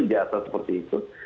jasa seperti itu